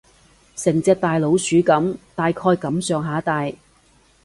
成隻大老鼠噉，大概噉上下大